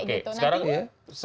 kalau hukumnya tidak ada